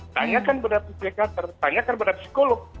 tanyakan kepada psikolog